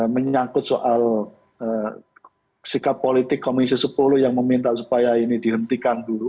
menyangkut soal sikap politik komisi sepuluh yang meminta supaya ini dihentikan dulu